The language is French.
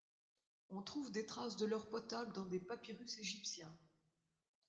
On trouve des traces de l'or potable dans des papyrus égyptiens.